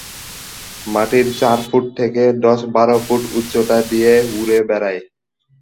মাটির চার ফুট থেকে দশ-বারো ফুট উচ্চতা দিয়ে উড়ে বেড়ায়।